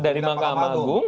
dari mahkamah agung